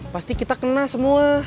pasti kita kena semua